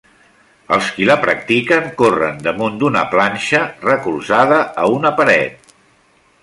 Els qui la practiquen corren damunt d'una planxa recolzada a una paret.